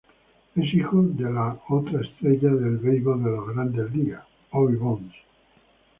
Es hijo de otra estrella del beisbol de las Grandes Ligas: Bobby Bonds.